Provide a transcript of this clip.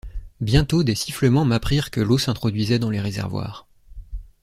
Bientôt des sifflements m’apprirent que l’eau s’introduisait dans les réservoirs.